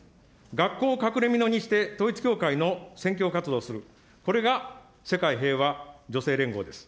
学校を隠れみのにして統一教会の宣教活動をする、これが世界平和女性連合です。